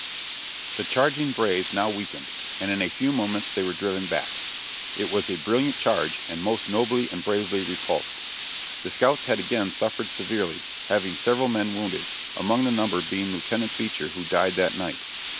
The charging braves now weakened, and in a few moments they were driven back. It was a brilliant charge, and was most nobly and bravely repulsed. The scouts had again suffered severely, having several men wounded, among the number being Lieutenant Beecher who died that night.